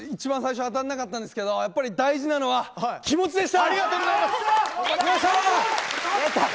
１番最初当たらなかったんですけどやっぱり大事なのは気持ちでした。